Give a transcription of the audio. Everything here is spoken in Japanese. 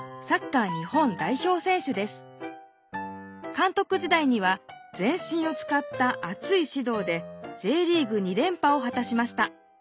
監督時代には全身をつかったあついしどうでＪリーグ２連覇をはたしました。